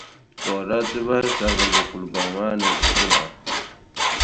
Ka o daa ti bahi sarigi lu kulibɔŋ maa ni n-kuhira.